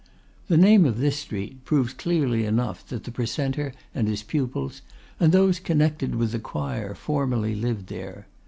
The name of this street, proves clearly enough that the precentor and his pupils and those connected with the choir formerly lived there.